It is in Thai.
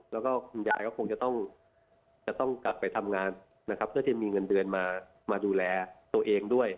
แล้วก็คุณยายก็คงจะต้องกลับไปทำงานนะครับเพื่อจะมีเงินเดือนมาดูแลตัวเองด้วย